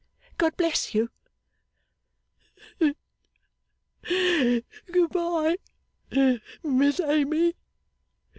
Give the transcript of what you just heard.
God bless you!' 'Good bye, Miss Amy.